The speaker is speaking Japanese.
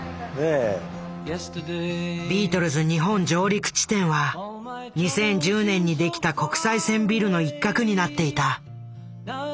ビートルズ日本上陸地点は２０１０年に出来た国際線ビルの一角になっていた。